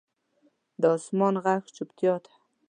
د اسمان ږغ چوپتیا ده.